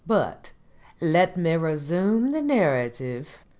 But let me resume the narrative.